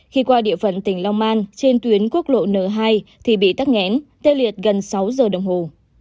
khi qua địa phận tỉnh long an trên tuyến quốc lộ n hai thì bị tắt nghẽn tê liệt gần sáu giờ đồng hồ